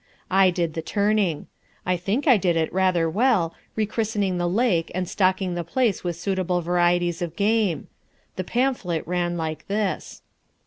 I did the turning. I think I did it rather well, rechristening the lake and stocking the place with suitable varieties of game. The pamphlet ran like this.